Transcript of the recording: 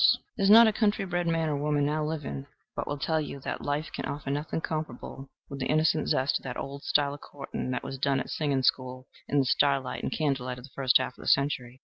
There is not a country bred man or woman now living but will tell you that life can offer nothing comparable with the innocent zest of that old style of courting that was done at singing school in the starlight and candlelight of the first half of our century.